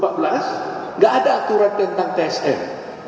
tidak ada aturan tentang tsm